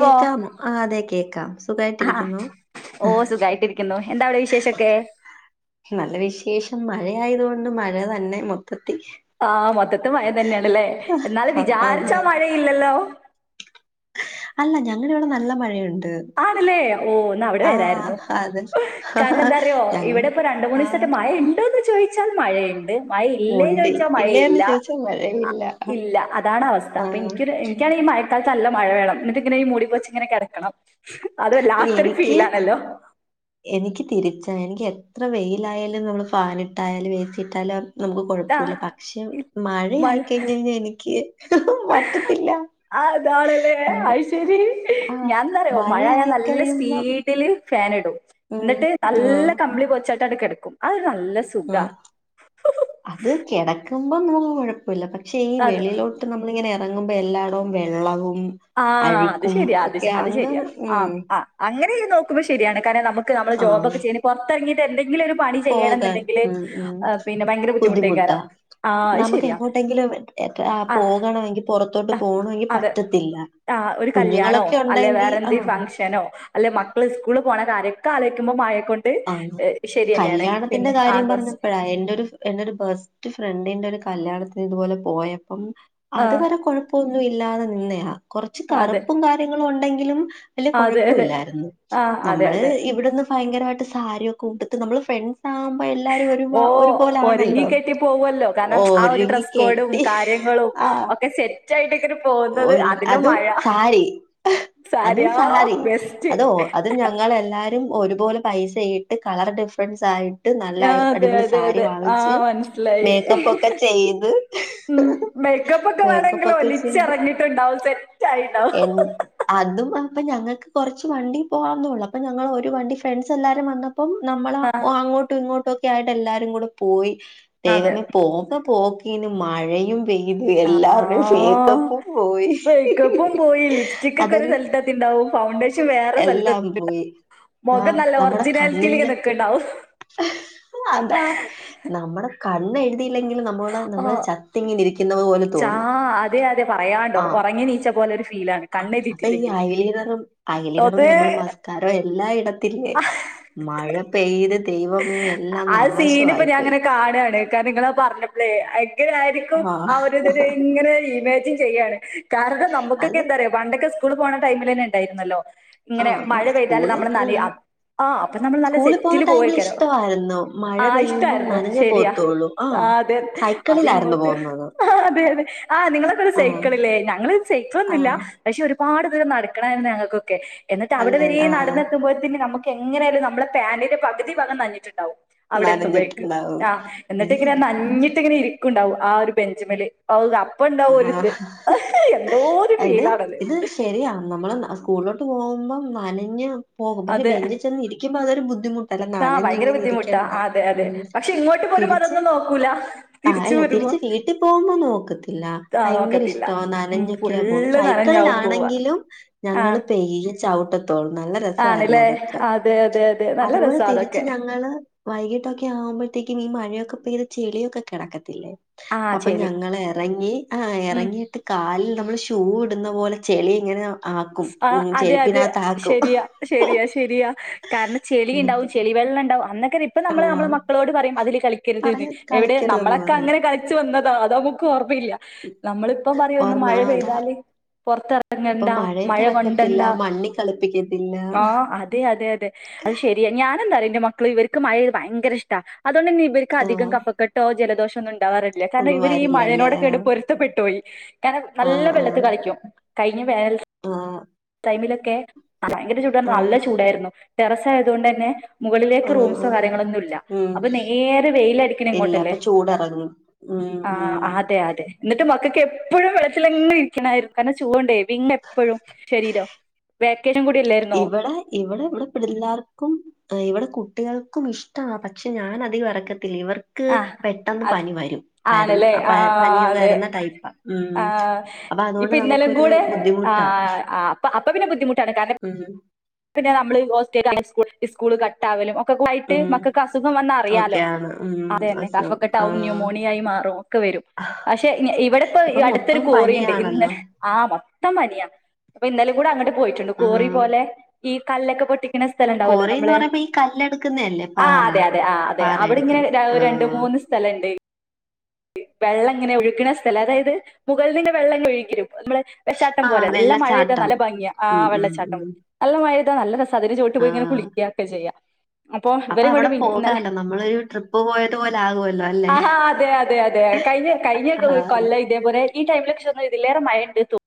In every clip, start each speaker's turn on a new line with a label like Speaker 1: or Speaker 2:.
Speaker 1: പോ
Speaker 2: ആ അതെ കേക്കാം
Speaker 1: ആഹ്
Speaker 2: സുഖവായിട്ടിരിക്കുന്നോ
Speaker 1: ഓ സുഖായിട്ടിരിക്യുന്നു എന്താ അവിടെ വിശേഷക്കെ
Speaker 2: നല്ല വിശേഷം മഴയായതുകൊണ്ട് മഴ തന്നെ മൊത്തത്തി
Speaker 1: ആ മൊത്തത്തെ മഴ തന്നെയാണല്ലേ എന്നാലും
Speaker 2: അതെ
Speaker 1: വിചാരിച്ചാ മഴയില്ലല്ലോ
Speaker 2: അല്ല ഞങ്ങടെ ഇവിടെ നല്ല മഴയുണ്ട്
Speaker 1: ആണല്ലേ ഓ ന്നാ അവിടെ
Speaker 2: ആ
Speaker 1: വരായിര്ന്നു
Speaker 2: അതെ
Speaker 1: കാരണം എന്താറിയോ
Speaker 2: ഞങ്ങൾ
Speaker 1: ഇവിടെ ഇപ്പോ രണ്ടു മൂന്ന്
Speaker 2: ആ
Speaker 1: ദിവസവായിട്ട് മഴ ഉണ്ടോന്ന് ചോദിച്ചാൽ മഴയുണ്ട് മഴയില്ലെന്ന്
Speaker 2: ഉണ്ട്
Speaker 1: ചോദിച്ചാ മഴ
Speaker 2: ഇല്ലേന്ന്
Speaker 1: ഇല്ല
Speaker 2: ചോദിച്ചാൽ മഴയില്ല
Speaker 1: ഇല്ല അതാണ് അവസ്ഥ
Speaker 2: ആ
Speaker 1: അപ്പൊ എനിക്കൊരു എനിക്കാണേ ഈ മഴക്കാലത്ത് നല്ല മഴ വേണം എന്നിട്ട് ഇങ്ങനെ ഈ മൂടി പുതച്ച് ഇങ്ങനെ കിടക്കണം അതു വല്ലാത്തൊരു
Speaker 2: എനിക്ക്
Speaker 1: ഫീലാണല്ലോ
Speaker 2: എനിക്ക് തിരിച്ച എനിക്ക് എത്ര വെയിലായാലും നമ്മള് ഫാനിട്ടായാലും എസിയിട്ടാലും നമുക്ക്
Speaker 1: ആഹ്
Speaker 2: കൊഴപ്പുല്ല പക്ഷെ മഴി ആയി
Speaker 1: മഴ
Speaker 2: കയ്ഞ്ഞഞ്ഞനിക്ക് പറ്റത്തില്ല
Speaker 1: ആഹ് അതാണല്ലേ
Speaker 2: മഴ
Speaker 1: അയ്ശരി
Speaker 2: ആ
Speaker 1: ഞാൻ ന്താറിയോ മഴ ആയ
Speaker 2: മഴയായി
Speaker 1: നല്ല സ്പീ
Speaker 2: കഴിയുമ്പം
Speaker 1: സ്പിഡില് ഫാൻ ഇടും
Speaker 2: ഉം
Speaker 1: എന്നിട്ട്
Speaker 2: ആ
Speaker 1: നല്ല കമ്പളി പുതച്ചാട്ട് അടെ കിടക്കും അതൊരു നല്ല സുഖാ
Speaker 2: ആഹ് അത് കിടക്കുമ്പം [unintelligible] ഴപ്പുല്ല പക്ഷെ ഈ
Speaker 1: അത്
Speaker 2: വെളിയിലോ ട്ട് നമ്മളിങ്ങനെ എറങ്ങുമ്പോ എല്ലാ ടൊം വെള്ളവും
Speaker 1: ആഹ് അത്
Speaker 2: അഴുക്കും
Speaker 1: ശരിയാ അത്
Speaker 2: ഒക്കെ
Speaker 1: ശ അത് ശരിയാ
Speaker 2: അങ്ങനെ
Speaker 1: ആം
Speaker 2: ഉം
Speaker 1: ആ അങ്ങനെ നോക്കുമ്പോ ശരിയാണ് കാര നമുക്ക് നമ്മള്
Speaker 2: ആഹ്
Speaker 1: ജോബൊക്കെ ചെയ്ന് പെർത്തറങ്ങി ട്ട് എന്തെങ്കിലും ഒരു പണി ചെയ്യണം
Speaker 2: പോകാൻ
Speaker 1: എന്നുണ്ടെങ്കില്
Speaker 2: ഉം ഉം
Speaker 1: പിന്നെ ഭയങ്കര ബുദ്ധിമുട്ട്
Speaker 2: ബുദ്ധിമുട്ടാ
Speaker 1: ഏകാരം
Speaker 2: നമുക്ക് എങ്ങോട്ടെങ്കിലും ആ പോകണമെങ്കിൽ പുറത്തോട്ട് പോണമെങ്കി പറ്റത്തില്ല
Speaker 1: ആഹ് ഒരു കല്യാണോ
Speaker 2: കുഞ്ഞുങ്ങളൊക്കെ
Speaker 1: അല്ലെ
Speaker 2: ഉണ്ടെങ്കി
Speaker 1: വേറെന്തേ ഫങ്ഷ
Speaker 2: ആഹ്
Speaker 1: ഫങ്ഷനോ അല്ലെ മക്കള് സ്കൂളി പോണ കാര്യവൊക്കെ ആലോചിക്കുമ്പോ മഴയേക്കൊണ്ട്
Speaker 2: ആ കല്യാണത്തിന്റെ
Speaker 1: ആ
Speaker 2: കാര്യം
Speaker 1: കുറച്ച്
Speaker 2: പറഞ്ഞപ്പഴാ എന്റെ ഒരു ഫ്രണ്ട് എന്റെ ഒരു ബെസ്റ്റ് ഫ്രണ്ടിന്റെ ഒരു കല്യാണത്തിന് ഇതുപോലെ പോയപ്പം അത്
Speaker 1: ആഹ്
Speaker 2: വരെ കുഴപ്പ പ്പൊന്നുഇല്ലാതെ നിന്നയാ കെർച്ച്
Speaker 1: അതെ
Speaker 2: കറുപ്പും കാര്യങ്ങളും ഉണ്ടെങ്കിലും വല്യ
Speaker 1: അതെ അതെ
Speaker 2: കുഴപ്പവില്ലായിരുന്നു
Speaker 1: ആഹ് അതെ
Speaker 2: നമ്മള്
Speaker 1: അതെ
Speaker 2: ഇവിടെന്ന് ഭയങ്കരവായിട്ട് സാരിയൊക്കെ ഉടുത്ത് നമ്മള് ഫ്രണ്ട്സ് ആകുമ്പോ എല്ലാരും ഒരു
Speaker 1: ഓ ഒരുങ്ങി
Speaker 2: ഒരുപോലാണല്ലോ
Speaker 1: കെട്ടി പോവല്ലോ കാരണം ആ ഒരു
Speaker 2: ഒരുങ്ങി
Speaker 1: ഡ്രസ്സ് കോഡും
Speaker 2: കെട്ടി
Speaker 1: കാര്യങ്ങളും
Speaker 2: ആഹ്
Speaker 1: ഒക്കെ സെറ്റ് ചായിട്ടി പോകുന്നത്
Speaker 2: ഒരു
Speaker 1: അതിലെ
Speaker 2: അതും
Speaker 1: മഴ
Speaker 2: സാരി അതും
Speaker 1: സാരിയാ
Speaker 2: സാരി
Speaker 1: ബെസ്റ്റ്
Speaker 2: അത് അത് ഞങ്ങളെല്ലാരും ഒരുപോലെ പൈസ ഇട്ട് കളർ ഡിഫ്റൻസായി ട്ട് നല്ല
Speaker 1: ആഹ് അതെ
Speaker 2: അടിപൊളി
Speaker 1: അതെ
Speaker 2: സാരി
Speaker 1: അതെ
Speaker 2: വാങ്ങിച്ച്
Speaker 1: ആഹ് മനസ്സിലായി
Speaker 2: മേക്കപ്പ് ഒക്കെ ചെയ്ത്
Speaker 1: ഉം മേക്കപ്പൊക്കെ
Speaker 2: മേക്കപ്പ്
Speaker 1: വാണങ്കില്
Speaker 2: ഒക്കെ
Speaker 1: ഒലിച്ച്
Speaker 2: ചെയ്ത്
Speaker 1: ഇറങ്ങിട്ടുണ്ടാവും സെറ്റ്
Speaker 2: എൻ അതും അപ്പം ഞങ്ങക്ക് കൊർച്ച് വണ്ടി പോവാന്നുള്ളൂ അപ്പൊ ഞങ്ങള് ഒരു വണ്ടി ഫ്രണ്ട്സ് എല്ലാരും വന്ന അപ്പം നമ്മള
Speaker 1: ആഹ്
Speaker 2: അങ്ങോട്ടും ഇങ്ങോട്ടും ഒക്കെ ആയിട്ട് എല്ലാരും കൂടെ പോയി
Speaker 1: അതെ
Speaker 2: ദൈവമേ പോക പോക്കീന് മഴയും പെയ്തു എല്ലാവരുടെയും മേക്കപ്പും പോയി
Speaker 1: പേക്കപ്പും പോയി ലിപ്സ്റ്റിക്ക്ക്കെ ഒരു
Speaker 2: അതൊരു
Speaker 1: സ്ഥൽത്തെത്തിണ്ടാവും ഫൗണ്ടേഷൻ വേറെ സ്ഥലത്ത്
Speaker 2: എല്ലാം പോയി ആ
Speaker 1: മുഖം നല്ല
Speaker 2: നമ്മടെ
Speaker 1: ഒറിജിനാലിറ്റിയിലേക്ക്
Speaker 2: കണ്ണിൻ്റെ
Speaker 1: നിൽക്കുന്നുണ്ടാവും
Speaker 2: അതാ നമ്മടെ കണ്ണ് എഴുതിയില്ലെങ്കിലും നമ്മള് നമ്മ നമ്മള്
Speaker 1: ഓ
Speaker 2: ചത്തിങ്ങിനിരിക്കുന്നത് പോലെ തോന്നും
Speaker 1: തെ അതെ പറയാൻണ്ടോ
Speaker 2: ആഹ്
Speaker 1: ഒറങ്ങി നീച്ച പോലരു ഫീലാണ് കണ്ണഴ്തിട്ടില്ലെങ്കിൽ
Speaker 2: [unintelligible] അയലിനറും നമ്മൾ മസ്കാരോം എല്ലായിടത്തില്ലേ മഴ പെയ്ത് ദൈവമേ എല്ലാം നാശയിപ്പോയി
Speaker 1: കാണാണ് കാരണം നിങ്ങൾ ആഹം പറഞ്ഞപ്പോളേ എങ്ങനെ ആയിരിക്കും ആഹ് ഒരു ഇത് [unintelligible] ഇങ്ങനെ ഇമാജിൻ ചെയ്യാണ് കാരണം നമുക്കൊക്കെ
Speaker 2: അത്
Speaker 1: എന്താ അറിയോ പണ്ടൊക്കെ സ്കൂള് പോണ ടൈമിൽ തന്നെ ഇണ്ടായിരുന്നല്ലോ ഇങ്ങനെ
Speaker 2: ആഹ്
Speaker 1: മഴ
Speaker 2: ആഹ്
Speaker 1: പെയ്താല്
Speaker 2: സ്കൂളിൽ
Speaker 1: നമ്മള് നനയു
Speaker 2: ഉം
Speaker 1: ആഹ്, അപ്പൊ നമ്മൾ നല്ല
Speaker 2: സ്കൂളിൽ പോകുന്ന
Speaker 1: സെറ്റില് പോവേ
Speaker 2: ടൈമിൽ
Speaker 1: ക്കരോ.
Speaker 2: ഇഷ്ടമായിരുന്നു മഴ
Speaker 1: ആഹ്
Speaker 2: പെയ്യുമ്പം
Speaker 1: ഇഷ്ടായിരുന്നു
Speaker 2: നനഞ്ഞേ
Speaker 1: ശരിയാ.
Speaker 2: പോകത്തുള്ളൂ
Speaker 1: ആഹ് ആതെ
Speaker 2: സൈക്കിളിലായിരുന്നു
Speaker 1: അതിങ്ങോട്ട്,
Speaker 2: പോകുന്നത്
Speaker 1: ആഹ് അതെ അതെ. ആഹ് നിങ്ങളൊക്കെ ഒരു
Speaker 2: ആഹ്
Speaker 1: സൈക്കിളല്ലേ ഞങ്ങള് സൈക്കിളൊന്നുല്ല.
Speaker 2: ആഹ്
Speaker 1: പശ്ശെ ഒരുപാട് ദൂരം നടക്കണായിരുന്നു ഞങ്ങക്കൊക്കെ. എന്നിട്ട് അവിടെ
Speaker 2: അല്ലല്ല
Speaker 1: വരേ
Speaker 2: ആഹ്
Speaker 1: നടന്നെത്തുമ്പോഴേക് പിന്നെ നമ്ക്ക് എങ്ങനെ ആയാലും നമ്മള പാന്റിന്റെ പകുതി ഭാഗം നനഞ്ഞിട്ടുണ്ടാവും. അവിടെത്തുമ്പഴേക്ക്,
Speaker 2: നനഞ്ഞിട്ടുണ്ടാവും
Speaker 1: ആഹ്.
Speaker 2: ഇത്
Speaker 1: എന്നിട്ടിങ്ങനെ നഞ്ഞിട്ട് ഇങ്ങനെ ഇരി ക്ക്ണ്ടാവും ആ ഒരു ബെഞ്ചമ്മില്. ആഹ് അപ്പണ്ടാവും ഒരിത് ഒരു
Speaker 2: എന്ത്,
Speaker 1: ഫീലാണത്
Speaker 2: ഇത് ശരിയാ, നമ്മള് സ്കൂളിലോട്ട് പോകുമ്പം നനഞ്ഞ് പോകും പക്ഷെ
Speaker 1: അതെ
Speaker 2: ബെഞ്ച് ചെന്ന് ഇരിക്കുമ്പോ അതരു ബുദ്ധിമുട്ട് തല
Speaker 1: ആ ഭയങ്കര
Speaker 2: നനഞ്ഞിങ്ങനെ
Speaker 1: ബുദ്ധിമുട്ടാ
Speaker 2: ഇരിക്കണ്ടെ.
Speaker 1: ആ,
Speaker 2: ഉം തിരിച്ച്
Speaker 1: പോകൂല...
Speaker 2: ആഹ് അല്ല തിരിച്ച് വീട്ടിൽ പോകുമ്പോ നോക്കത്തില്ല.
Speaker 1: ആ
Speaker 2: ഭയങ്കര
Speaker 1: നോക്കത്തില്ല
Speaker 2: ഇഷ്ടവാ
Speaker 1: ഉം
Speaker 2: നനഞ്ഞ്‌ ഇക്ക പോണു
Speaker 1: ഫുള്ള് നനഞ്ഞാവും പോവാ
Speaker 2: സൈക്കിളിലാണെങ്കിലും ഞങ്ങള് പേയ്യെ ചവിട്ടത്തോള്ളൂ നല്ല രസം
Speaker 1: ആണ്ല്ലേ? അതെ അതെ അതെ നല്ല രസ
Speaker 2: പക്ഷേ ഞങ്ങള് വൈകീട്ടൊക്കെ ആവുമ്പോഴത്തേക്കും ഈ മഴയൊക്കെ പെയ്ത ചെളിയൊക്കെ കെടക്കത്തില്ലേ
Speaker 1: ആ
Speaker 2: അപ്പൊ
Speaker 1: ചെളി
Speaker 2: ഞങ്ങളെറങ്ങി, ആഹ്
Speaker 1: ഉം
Speaker 2: എറങ്ങീട്ട് കാലിൽ നമ്മൾ ഷൂ ഇടുന്ന പോലെ ചെളി ഇങ്ങനെ ആക്കും.
Speaker 1: ആ
Speaker 2: ഉം
Speaker 1: അതെ അതെ
Speaker 2: ചെരുപ്പിനാത്താക്കും.
Speaker 1: ശരിയാ ശരിയാ ശരിയാ. കാരണം ചെളി
Speaker 2: എന്നിട്ട്
Speaker 1: ഇണ്ടാവും ചെളി വെള്ളണ്ടാവും. അന്നൊക്കെ ഇപ്പൊ
Speaker 2: ആ
Speaker 1: നമ്മള് നമ്മളെ മക്കളോട് പറയും അതില് കളിക്കര്ത് ന്ന്.
Speaker 2: പറയാൻ
Speaker 1: എവിടെ,
Speaker 2: കളിക്കരുതെന്ന്
Speaker 1: നമ്മളൊക്കെ
Speaker 2: പറഞ്ഞു
Speaker 1: അങ്ങനെ കളിച്ചു വന്നതാ. അതമ്മക്ക് ഓർമ്മയില്ല. നമ്മളിപ്പം പറയും ഒന്ന്
Speaker 2: ഓർമ്മ
Speaker 1: മഴ
Speaker 2: ആ, അതാ
Speaker 1: പെയ്താല്,
Speaker 2: ഇപ്പൊ
Speaker 1: പൊറത്തെറങ്ങണ്ടാ മഴ
Speaker 2: മഴയത്ത് ഇറക്കത്തില്ല
Speaker 1: കൊണ്ടണ്ടാ
Speaker 2: മണ്ണി കളപ്പിക്കത്തില്ല
Speaker 1: ആഹ് അതെ അതെ അതെ അത് ശരി ഞാനന്തായാറിയോ എന്റെ മക്കൾ ഇവർക്ക് മഴത് ഭയങ്കരഷ്ട അതുകൊണ്ടന്നെ ഇവർക്ക്
Speaker 2: ആ
Speaker 1: അതികം കഫകേട്ട് ട്ടോ ജലദോഷൊന്നും ഇണ്ടാവാറില്ല. കാരണം,
Speaker 2: ഒന്നും
Speaker 1: ഇവരീ
Speaker 2: വരില്ലല്ലേ ആ
Speaker 1: മഴേനോടൊക്കെയായിട്ട് പൊരുത് ഇഷ്ട്ടപ്പെട്ടോയി കാരണം
Speaker 2: ആ
Speaker 1: നല്ല
Speaker 2: ആ
Speaker 1: വെള്ളത്തി കളിക്കും കഴിഞ്ഞ വേനൽ
Speaker 2: ആ
Speaker 1: ടൈമിലൊക്കെ ഭയങ്കര ചൂടന്ന്
Speaker 2: ആ
Speaker 1: പറഞ്ഞ നല്ല ചൂടായിരുന്നു ടെറസ്സായതോണ്ടന്നെ മുകളിലേക്ക്
Speaker 2: ആ,
Speaker 1: റൂംസോ
Speaker 2: ആ.
Speaker 1: കാര്യങ്ങളൊന്നുല്ല.
Speaker 2: ഉം
Speaker 1: അപ്പൊ നേരെ വെയിലടിക്കണ
Speaker 2: ഇല്ല
Speaker 1: ഇങ്ങോട്ടല്ലേ.
Speaker 2: അപ്പൊ ചൂടിറങ്ങും ഉം
Speaker 1: ആഹ്
Speaker 2: ഉം
Speaker 1: അതെ അതെ. ന്നിട്ട് മക്കക്കെപ്പഴും വെള്ളത്തിലങ്ങ്‌ ഇരിക്കണായിരിക്കും കാരണം ചൂടോണ്ടേ. വിങ്ങു എപ്പഴും ശരീരം. പേക്കേജും കൂടി അല്ലായിരു
Speaker 2: ഇവിടെ ഇവിടെ ഇവിടെ പിള്ളാർക്കും ഇവിടെ കുട്ടികൾക്കും ഇഷ്ട പക്ഷെ ഞാൻ അതികം എറക്കത്തില്ല ഇവർ ക്ക്
Speaker 1: ആഹ്
Speaker 2: പെട്ടെന്ന്
Speaker 1: അത്
Speaker 2: പനി വരും.
Speaker 1: ആണല്ലേ
Speaker 2: പര പനി
Speaker 1: ആഹ് അതെ
Speaker 2: വരുന്ന ടൈപ്പാ ഉം.
Speaker 1: ആഹ്
Speaker 2: അപ്പൊ
Speaker 1: ഇപ്പൊ
Speaker 2: അതുകൊണ്ട് നമുക്കൊരു ബുദ്ധിമുട്ടാ.
Speaker 1: അപ്പപിന്നെ ബുദ്ധിമുട്ടാണ്. കാരണം
Speaker 2: ഉം
Speaker 1: പിന്നെ നമ്മള് ഹോസ്റ്റൽ [inaudible] സ്കൂള് ഇസ്കൂള് കട്ടാവലും ഒക്കെക്കൂടെ ആയിട്ട്.
Speaker 2: ഉം
Speaker 1: മക്കക്ക് അസുഖം വന്ന
Speaker 2: ഓക്കെ
Speaker 1: അറിയാലോ?
Speaker 2: ആണ് ഉം
Speaker 1: അതന്നെ
Speaker 2: അസുഖം ആ
Speaker 1: കഫക്കെട്ടാവും ന്യൂമോണിയായി മാറും. ഒക്കെ വരും. പക്ഷെ ഇവിടെ ഇപ്പൊ അടുത്തൊരു
Speaker 2: മൊത്തം
Speaker 1: കോറിയുണ്ട്. ഇന്ന
Speaker 2: പനിയാണല്ലോ
Speaker 1: ആഹ് മൊത്തം പനിയാ. അപ്പൊ ഇന്നലെയും കൂടെ അങ്ങട്ട് പോയിട്ട്ണ്ട് കോറി
Speaker 2: ഉം
Speaker 1: പോലെ, ഈ കല്ലൊക്കെ പൊട്ടി ക്കണ സ്ഥലണ്ടാവല്ലോ
Speaker 2: കോറി എന്ന്
Speaker 1: നമ്മള്,
Speaker 2: പറയുമ്പോ ഈ കല്ലെടുക്കുന്നതല്ലേ
Speaker 1: ആഹ്
Speaker 2: പാറ
Speaker 1: അതെ അതെ ആഹ് അതെ
Speaker 2: പാറ
Speaker 1: അവിടിങ്ങനെ
Speaker 2: എടുക്കുന്ന
Speaker 1: അത്
Speaker 2: ആ
Speaker 1: രണ്ട് മൂന്ന് സ്ഥലണ്ടേനി വെള്ള ഇങ്ങനെ ഒഴുകണ സ്ഥലാ അതായത്, മുകളിൽന്നിങ്ങനെ വെള്ളം ഇങ്ങ്‌ ഒഴുകി വരും, നമ്മള് വെള്ളച്ചാട്ടം
Speaker 2: ആ
Speaker 1: പോലെ നല്ല മഴെയ്താ
Speaker 2: വെള്ളച്ചാട്ടം
Speaker 1: നല്ല ഭംഗിയാ ആ
Speaker 2: ഉം ഉം
Speaker 1: വെള്ളച്ചാട്ടം
Speaker 2: ഉം
Speaker 1: നല്ല മഴെയ്താ നല്ലരസാ അതിന്റെ ചോട്ട് പോയിങ്ങനെ
Speaker 2: ആ
Speaker 1: കുളിക്കാക്കെ ചെയ്യാ
Speaker 2: അപ്പൊ അവിടെ പോകാല്ലോ നമ്മളൊരു ട്രിപ്പ് പോയതുപോലാകുവല്ലോ അല്ലെ
Speaker 1: അതെതെ കഴിഞ്ഞ കഴിഞ്ഞ് കൊല്ലം ഇതേപോലെ ഈ ടൈമിലൊക്കെ ഇതിലേറെ മഴണ്ട് തോന്ന്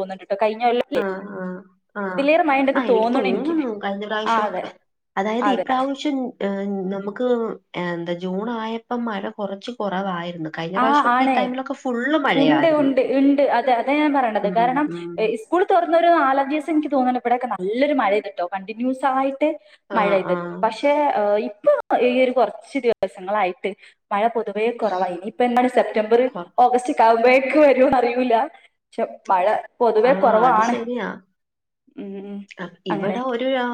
Speaker 1: തോന്ന്ണ്ട്‌ട്ടോ കയ്ഞ്ഞൊല്ലം
Speaker 2: ആഹ് ആഹ് ആഹ് ആഹ് എനിക്ക് തോന്നുന്നു കഴിഞ്ഞ
Speaker 1: ആ അതെ
Speaker 2: പ്രാവശ്യോക്കെ അതായത് ഈ
Speaker 1: അതെ
Speaker 2: പ്രാവശ്യം ആഹ് നമുക്ക് എന്താ ജൂൺ ആയപ്പം മഴ കൊറച്ച് കൊറവാര്ന്ന്
Speaker 1: ആ ആണേ ഉണ്ട്
Speaker 2: മഴയായിരുന്നു
Speaker 1: ഉണ്ട് ഇണ്ട് അതെ അതാ ഞാൻ പറയ്ണത്
Speaker 2: ഉം
Speaker 1: കാരണം
Speaker 2: ഉം
Speaker 1: സ്കൂള് തൊറന്നൊരു നാലഞ്ചീസം ൻക്ക് തോന്നുണ് ഇവിടെക്കെ നല്ലൊരു മഴെയ്തുട്ടോ കണ്ടിന്യൂസായിട്ട്
Speaker 2: ആ
Speaker 1: മഴെയ്ത്
Speaker 2: ആ
Speaker 1: പക്ഷെ ഇപ്പൊ ഈയൊരു കൊറച്ച് ദിവസങ്ങളായിട്ട് മഴ പൊതുവേ കുറവായി ഇനീപ്പൊ എന്നാണ് സെപ്റ്റംബറ്
Speaker 2: കൊ-
Speaker 1: ഓഗസ്റ്റ് കബേയ്ക്ക് വരോന്നറിയൂല ക്ഷെ മഴ പൊതുവെ
Speaker 2: ആഹ് അത്
Speaker 1: കുറവാണ്
Speaker 2: ശരിയാ
Speaker 1: ഉം അങ്ങനെ
Speaker 2: ഇവിടെ ഒരു രാ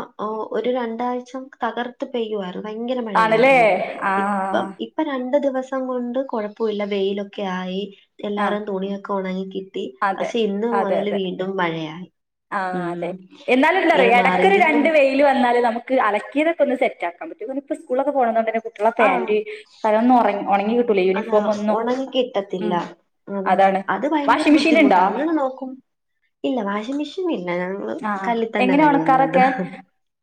Speaker 2: ഒരു രണ്ടാഴ്ച്ചൊക്കെ തകർത്ത് പെയ്യുവാർന്നു ഭയങ്കര
Speaker 1: ആണല്ലേ
Speaker 2: മഴയാരുന്നു
Speaker 1: ആ
Speaker 2: ഇപ്പം ഇ പ്പ രണ്ട് ദിവസം കൊണ്ട് കൊഴപ്പോല്ല, വെയിലൊക്കെ ആയി.
Speaker 1: ആ
Speaker 2: എല്ലാരേം തുണിയൊക്കെ ഒണങ്ങിക്കി തി
Speaker 1: അതെ അതെ
Speaker 2: പക്ഷെ ഇന്ന്
Speaker 1: അതെ
Speaker 2: മൊതല് വീണ്ടും മഴയാ
Speaker 1: ആഹ് അതെ എന്നാലുംന്താറിയൊ
Speaker 2: മാറിയും
Speaker 1: എടക്കൊരു
Speaker 2: തിരിഞ്ഞും
Speaker 1: രണ്ട് വെയില് ങ്കില് വന്നാല് നമുക്ക് അലക്കിയതൊക്കൊന്ന് സെറ്റാക്കാം പറ്റു ഇവലിപ്പസ്കൂള്ലക്കെ പോണതോണ്ടെന്നെ കുട്ട്യോളെ
Speaker 2: ആ
Speaker 1: പാന്റ് [unintelligible] ഒറങ്ങി ഒണങ്ങിക്കി
Speaker 2: അതാ ഒണങ്ങിക്കിട്ടത്തില്ല അതാ
Speaker 1: അതാണ്
Speaker 2: അത് ഭയങ്കര
Speaker 1: വാഷിംഗ് മെഷീൻ
Speaker 2: ബുദ്ധിമുട്ട
Speaker 1: ഇണ്ടോ
Speaker 2: അങ്ങനെ നോക്കും ഇല്ല വാഷിംഗ് മെഷീനില്ല ഞ
Speaker 1: ആഹ്
Speaker 2: കല്ലി തന്നാ
Speaker 1: എങ്ങനെ
Speaker 2: കഴുകുന്നത്.
Speaker 1: ഒണക്കാറൊക്കെ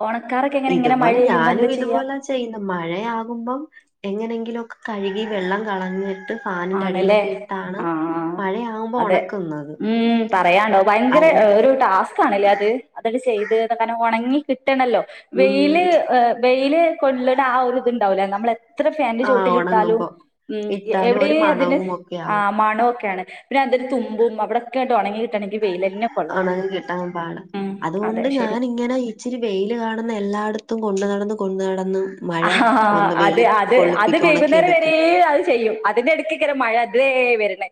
Speaker 1: ഒണക്കാറൊക്കെ എങ്ങനെ ഇങ്ങനെ മഴ
Speaker 2: ഇതുപോലെ
Speaker 1: പെയ്യുമ്പോ എന്താ ചെയ്യാ
Speaker 2: ഞാനുവിതുപോലെ ചെയ്യുന്നു മഴയാകുമ്പം എങ്ങനെങ്കിലും ഒക്കെ കഴുകി വെള്ളം കളഞ്ഞിട്ട്
Speaker 1: ആണല്ലേ
Speaker 2: ഫാനിന്റടിയിലൊക്കെയിട്ടാണ്
Speaker 1: ആഹ്
Speaker 2: മഴയാകുമ്പോ
Speaker 1: അതെ
Speaker 2: ഒണക്കുന്നത്
Speaker 1: ഉം പറയാണ്ടോ ഭയങ്കര ഒരു ടാസ്കാണ്ലേ അത് അതൊക്കെ ചെയ്ത് കാരണം ഒണങ്ങി കിട്ടണല്ലോ
Speaker 2: ഉം
Speaker 1: വെയില് വെയില് കൊള്ള്ണ ആ ഒര്തുണ്ടാവൂല നമ്മള ത്ര ഫാൻൻ്റെ
Speaker 2: ആ
Speaker 1: ചോട്ടിലിട്ടാലും
Speaker 2: ഉണങ്ങുമ്പോ
Speaker 1: ഉം
Speaker 2: ഇട്ടാലും ഒരു
Speaker 1: എവിടെയേ അതിൻ്റെ
Speaker 2: മണവും ഒക്കെ
Speaker 1: ആ
Speaker 2: ആവും
Speaker 1: മണൊക്കേണ്. പിന്നതിന് തുമ്പും അവിടൊക്കായിട്ട് ഉണങ്ങിക്കിട്ടണെങ്കിൽ
Speaker 2: ഒണങ്ങി കിട്ടാൻ പാട
Speaker 1: ഉം അതെ
Speaker 2: അതുകൊണ്ട്
Speaker 1: ശരി
Speaker 2: ഞാനിങ്ങനെ ഇച്ചിരി വെയില് കാണുന്ന എല്ലാടത്തും കൊണ്ട് നടന്ന് കൊണ്ട് നടന്ന് മഴ
Speaker 1: അഹഹ്ഹാ
Speaker 2: ഒന്ന്
Speaker 1: അത്
Speaker 2: വെളി
Speaker 1: അത് അത്
Speaker 2: കൊള്ളിപ്പിക്കും
Speaker 1: വെയ്കുന്നേരം
Speaker 2: ഉണക്കിയെടുക്കും
Speaker 1: വരേ അത് ചെയ്യും അതിന്റെടക്ക് ങ്കര മഴ ദേ വരണ്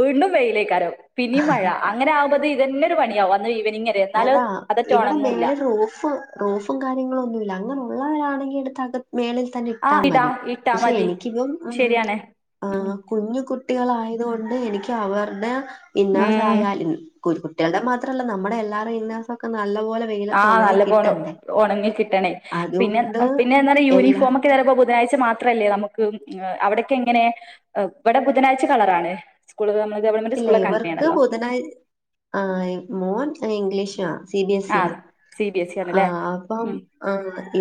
Speaker 1: വീണ്ടും വെയിലേക്കാരം പിന്നീം മഴ അങ്ങനെ ആവുമ്പത്തേ ഇതെന്നെ പണിയാവും അന്ന് ഈവനിങ് വരെ എന്നാലോ
Speaker 2: അതാ
Speaker 1: അതറ്റെ
Speaker 2: ഇവിടെ
Speaker 1: ഒണങ്ങൂല്ല
Speaker 2: മേലെ റോഫ് റോഫും കാര്യങ്ങളൊന്നുല്ല അങ്ങനൊള്ളവരാണെങ്കി എടുത്ത് മേളിൽ തന്നിട്ടാ
Speaker 1: ആഹ് ഇടാ
Speaker 2: മതി
Speaker 1: ഇട്ടാ
Speaker 2: പക്ഷെ
Speaker 1: മതി
Speaker 2: എനിക്കിപ്പം ഉം
Speaker 1: ശരിയാണ് ഉം
Speaker 2: ആഹ് കുഞ്ഞു കുട്ടികളായത് കൊണ്ട് എനിക്ക് അവർടെ
Speaker 1: ഉം
Speaker 2: ഇന്നാസായാലും കു കുട്ട്യൾടെ മാത്രല്ല, നമ്മടെ എല്ലാടെ ഇന്നേർസൊക്കെ നല്ലപോലെ വെയിലത്ത്
Speaker 1: ആഹ്,
Speaker 2: ഉണങ്ങി
Speaker 1: നല്ല പോണം
Speaker 2: കിട്ടണ്ടേ
Speaker 1: ഒണങ്ങി കിട്ടണേ. പിന്നെ
Speaker 2: അതുകൊണ്ട്
Speaker 1: പിന്നെന്താണ്
Speaker 2: എല്ലാ
Speaker 1: യൂനിഫോമൊക്കെ ചെലപ്പോ ബുധനാഴ്ച മാത്രല്ലേ നമുക്ക് അവിടൊക്കെങ്ങനേ? ഇവടെ ബുധനാഴ്ച കളറാണ് സ്കൂള് നമ്മള് ഗവൺമെന്റ്
Speaker 2: ഇല്ല
Speaker 1: സ്കൂളൊക്കെ അങ്ങനെയാണല്ലോ
Speaker 2: [unintelligible] ആ മോൻ ഇംഗ്ലീഷാ സി ബി എസിയാ
Speaker 1: ആഹ് സി ബി എസ് ഇ
Speaker 2: ആ
Speaker 1: ആണല്ലേ
Speaker 2: അപ്പം
Speaker 1: ഉം
Speaker 2: ആ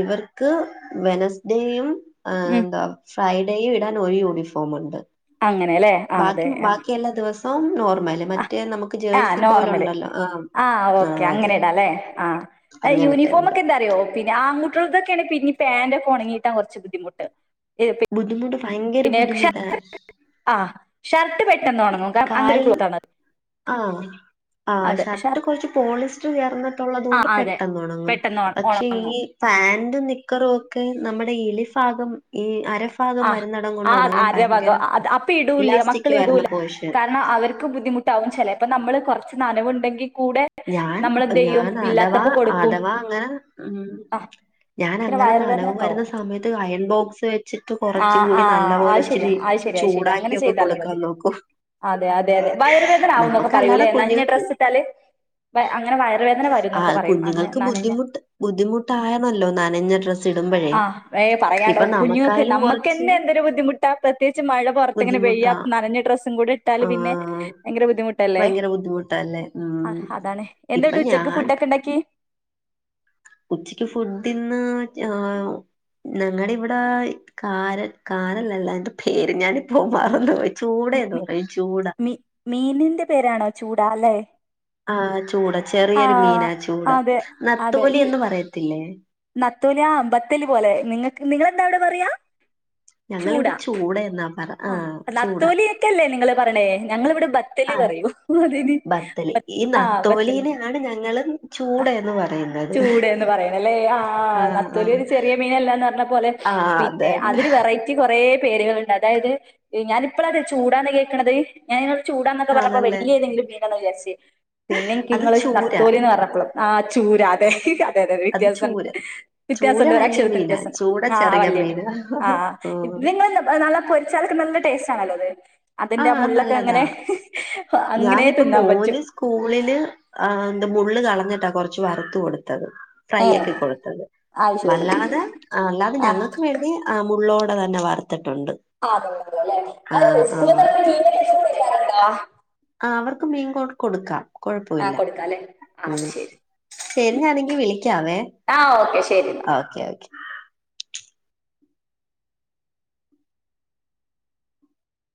Speaker 2: ഇവർക്ക് വെനസ്ഡേയും ആഹ്
Speaker 1: ഉം
Speaker 2: ന്താ ഫ്രൈഡേയും ഇടാൻ ഒരു യൂണിഫോമ്ണ്ട്
Speaker 1: അങ്ങനെല്ലേ ആഹ് അതെ
Speaker 2: ബാക്കി ബാക്കി എല്ലാ ദിവസവും ആം നോർമല്
Speaker 1: ആഹ്
Speaker 2: മറ്റേ നമുക്ക്
Speaker 1: ആഹ്
Speaker 2: ജേഴ്സി
Speaker 1: നോർമല്
Speaker 2: പോലൊണ്ടല്ലോ ആഹ് ആ അതെ
Speaker 1: ആ
Speaker 2: അങ്ങനത്തെ
Speaker 1: യൂണിഫോം
Speaker 2: ഉണ്ട്
Speaker 1: ഒക്കെ എന്താറിയോ പിന്നെ ആങ്കുട്ട്യൾതൊക്കെയാണ് പിന്നിം പാന്റൊക്കെ ഉണങ്ങിയിട്ടാൻ കുറച്ച് ബുദ്ധിമുട്ട്
Speaker 2: ബുദ്ധിമുട്ട് ഭയങ്കര
Speaker 1: പിന്നെ
Speaker 2: ബുദ്ധിമുട്ടാണ്
Speaker 1: ആഹ് ഷർട്ട് പെട്ടെന്നൊണങ്ങും കാരണം അങ്ങനൊരു ക്ലോത്ത് ആണത്.
Speaker 2: ആഹ് ആഹാ ഷർട്ട് കൊറച്ച് പോളിസ്റ്റർ ചേർന്നിട്ടുള്ളത്
Speaker 1: ആ
Speaker 2: കൊണ്ട്
Speaker 1: അതെ
Speaker 2: പെട്ടെന്ന് ഉണങ്ങും
Speaker 1: പെട്ടെന്ന് ഉണ-
Speaker 2: പക്ഷെ ഈ
Speaker 1: ഉണങ്ങും
Speaker 2: ഫാന്റും നിക്കറ് ഓക്കെ നമ്മുടെ എലിഫാഗം ഈ അരഫാഗം
Speaker 1: ആഹ് ആ അ ആര വക അത് അപ്പി ഇടൂല
Speaker 2: ഇലാസ്റ്റിക് വരുന്ന
Speaker 1: മക്കളിടൂല
Speaker 2: പോഷൻ
Speaker 1: കാരണം അവർ ക്ക് ബുദ്ധിമുട്ടാകും ചെലേപ്പം നമ്മള് കുറച് നനവുണ്ടെങ്കിൽ കൂടെ
Speaker 2: ഞാൻ
Speaker 1: നമ്മളെന്ത് ചെയ്യും
Speaker 2: ഞാൻ അഥവാ
Speaker 1: ഇല്ലാത്തപ്പോ കൊടുക്കും
Speaker 2: അഥവാ അങ്ങനെ ഉം
Speaker 1: ആ പിന്നെ
Speaker 2: ഞാനങ്ങനെ നനവ്
Speaker 1: വയറുവേദനൊക്കെ ആവും
Speaker 2: വെരുന്ന സമയത്ത് അയൺ ബോക്സ് വെ വെച്ചിട്ട്
Speaker 1: ആ
Speaker 2: കൊറച്ചു
Speaker 1: ആ
Speaker 2: കൂടി നല്ല പോലെ
Speaker 1: അത് ശരിയാ
Speaker 2: ഒച്ചിരി
Speaker 1: അത് ശരി അത് ശരി
Speaker 2: ചൂടാക്കി
Speaker 1: അങ്ങനെ
Speaker 2: ഒക്കെ
Speaker 1: ചെയ്താലും
Speaker 2: കൊടുക്കാൻ
Speaker 1: മതി
Speaker 2: നോക്കും
Speaker 1: അതെ അതെ അതെ വയറുവേദനാവും എന്നൊക്കെ
Speaker 2: നമ്മക്കല്ലാതെ
Speaker 1: പറയൂല്ലേ നഞ്ഞ
Speaker 2: കുഞ്ഞുങ്ങൾക്ക്
Speaker 1: ഡ്രസ്സിട്ടാല് അങ്ങനെ വയറുവേദന
Speaker 2: ആ
Speaker 1: വെരുംന്നൊക്കെ പറയും അങ്ങനെ
Speaker 2: കുഞ്ഞുങ്ങൾക്ക്
Speaker 1: ന്നനഞ്ഞ
Speaker 2: ബുദ്ധിമുട്ട് ബുദ്ധിമുട്ടായണല്ലോ നനഞ്ഞ ഡ്രസ് ച്ചിടുമ്പോഴേ
Speaker 1: ആഹ് ഏഹ്
Speaker 2: ഇപ്പൊ
Speaker 1: പറയാണ്ടോ കുഞ്ഞുങ്ങൾക്ക്
Speaker 2: നമക്കായാലും കൊറച്ച്
Speaker 1: നമ്മക്കന്നെ എന്തൊരു ബുദ്ധിമുട്ടാ പ്രത്യേകിച്ച് മഴ പൊറത്തിങ്ങനെ പെയ്യാ
Speaker 2: ബുദ്ധിമുട്ടാ
Speaker 1: നനഞ്ഞ ഡ്രസ്സും കൂടെ ഇട്ടാല്
Speaker 2: ആ
Speaker 1: പിന്നെ ഭയങ്കര ബുദ്ധിമുട്ടല്ലേ
Speaker 2: ഭയങ്കര ബുദ്ധിമുട്ടല്ലേ? ആഹ്
Speaker 1: അതാണ് എന്താവ്ടെ ഉച്ചക്ക് ഫുഡ് ഒക്കെ ഉണ്ടാക്കി
Speaker 2: ഉച്ചക്ക് ഫുഡിന്ന് ഞാ ഞങ്ങളിവിടെ ഈ കാര കാരല്ലല്ലോ അതിന്റെ പേര് ഞാനിപ്പോ മറന്ന് പോയി ചൂടേന്ന്
Speaker 1: മി
Speaker 2: പറയും ചൂടാ
Speaker 1: മി മീനിന്റെ പേരാണോ ചൂടാ അല്ലെ?
Speaker 2: ആഹ് ചൂട ചെറിയൊരു മീനാ ചൂട
Speaker 1: അതെ അതെ
Speaker 2: നത്തോലി
Speaker 1: ഈ
Speaker 2: എന്ന് പറയത്തില്ലേ
Speaker 1: നത്തോലി ആ ബത്തല് പോലെ നിങ്ങക്ക് നിങ്ങളെന്താ അവിടെ പറയാ
Speaker 2: ഞങ്ങളിവിടെ ചൂടെന്നാ പറ
Speaker 1: ആ
Speaker 2: ആഹ് ചൂട
Speaker 1: നത്തോലിയൊക്കെ അല്ലേ നിങ്ങള് പറിണേ ഞങ്ങളിവിടെ ബെ ത്തല്
Speaker 2: ആഹ്
Speaker 1: കറിയും അതിന് ആ ബത്തല്
Speaker 2: ങ്ങട്ഞങ്ങള്
Speaker 1: ആ ചൂടേന്ന് പറയണല്ലേ ആ
Speaker 2: ആഹ്
Speaker 1: നത്തോലി
Speaker 2: ആഹ്
Speaker 1: ഒരു ചെറിയ മീനല്ലാന്ന് പറഞ്ഞ പോലെ
Speaker 2: ആഹ്
Speaker 1: പിന്നെ
Speaker 2: അതന്നെ
Speaker 1: അതിന് വെറൈ [unintelligible] കൊറേ പേര്കളുണ്ട് അതായത് ഞാനിപ്പളാട്ടോ ചൂടാന്ന് കേക്ക്ണത് ഞാൻ നിങ്ങള് ചൂടാന്നൊക്കെ പറഞ്ഞപ്പോ
Speaker 2: ആണല്ലേ
Speaker 1: വലിയഏതെങ്കിലും മീനാന്ന വിചാരിച്ചേ പിന്നെ
Speaker 2: അത്
Speaker 1: എനിക്ക്ങ്ങള്
Speaker 2: ചൂര
Speaker 1: നത്തോലി എന്ന് പറഞ്ഞ ആ ചൂര അതെ അതെ അത
Speaker 2: അത്
Speaker 1: വെത്യാസണ്ട്
Speaker 2: ചൂര ചൂര
Speaker 1: വെത്യാസണ്ട് ഒര്
Speaker 2: വല്യ
Speaker 1: അക്ഷരത്തിന്
Speaker 2: മീനാ
Speaker 1: വെത്യാസണ്ട്
Speaker 2: ചൂട ചെറിയ മീനാ ഓഹ്
Speaker 1: നിങ്ങൾ നല്ല പൊരിച്ചാലൊക്കെ നല്ല ടേസ്റ്റ് ആണല്ലോ അത് അതിന്റെ
Speaker 2: ആഹ് അത്
Speaker 1: മുള്ളൊക്കെ
Speaker 2: നല്ലതാ
Speaker 1: ഇങ്ങനെ അങ്ങനെ
Speaker 2: ഞാനിപ്പം
Speaker 1: തിന്നാൻ പറ്റു
Speaker 2: മോന് സ്കൂളില് ആ എന്ത മുള്ള് കളഞ്ഞിട്ടാ കുറച്ച് വറുത്ത് കൊടുത്തത് ഫ്രൈ
Speaker 1: ഏ
Speaker 2: ആക്കി കൊടുത്തത്
Speaker 1: അത് ശരി
Speaker 2: വല്ലാതെ അല്ലാതെ ഞങ്ങൾക്ക്
Speaker 1: ആ
Speaker 2: വേണ്ടി ആ മുള്ളോടെ തന്നെ വർത്തിട്ടുണ്ട്
Speaker 1: ആതെ അതെ അല്ലെ അതെ [unintelligible]
Speaker 2: ആ അവർക്ക് മീൻ കൊട് കൊടുക്കാം
Speaker 1: ആഹ്
Speaker 2: കൊഴപ്പമില്ല
Speaker 1: കൊടുക്കാല്ലേ ആഹ്
Speaker 2: ഉം
Speaker 1: അത് ശരി
Speaker 2: ശെരി ഞാനെങ്കി വിളിക്കാവേ
Speaker 1: ആഹ് ഓക്കെ ശരി എന്നാ
Speaker 2: ഓക്കെ ഓക്കെ